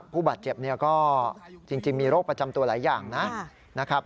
ผู้บาดเจ็บเนี่ยก็จริงมีโรคประจำตัวหลายอย่างนะครับ